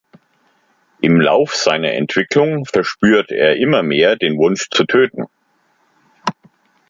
Im Lauf seiner Entwicklung verspürt er immer mehr den Wunsch zu töten.